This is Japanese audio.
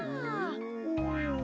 お！